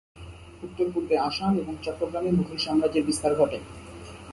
উত্তর-পূর্বে আসাম এবং চট্টগ্রামে মুগল সাম্রাজ্যের বিস্তার ঘটে।